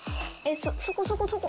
ｓそこそこそこ。